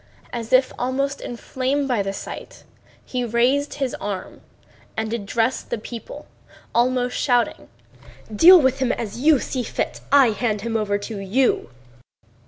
As if inflamed by the sight, he raised his arm and addressed the people, almost shouting: "Deal with him as you think fit! I hand him over to you."